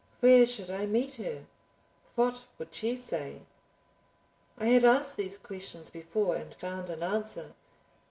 Where should I meet her? What would she say? I had asked these questions before and found an answer.